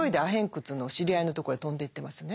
窟の知り合いのところへ飛んでいってますね。